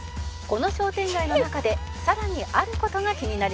「この商店街の中でさらにある事が気になります」